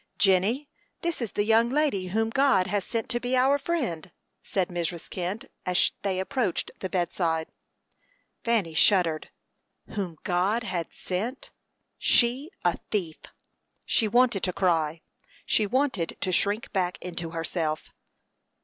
"Jenny, this is the young lady whom God has sent to be our friend," said Mrs. Kent, as they approached the bedside. Fanny shuddered. "Whom God had sent" she, a thief! She wanted to cry; she wanted to shrink back into herself.